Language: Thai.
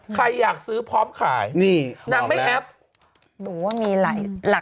ใครอยากซื้อพร้อมขายนี่นางไม่แฮปหนูว่ามีหลายหลัก